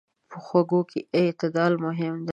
په خوږو کې اعتدال مهم دی.